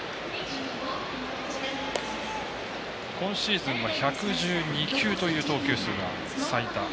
今シーズンは１１２球という投球数が最多。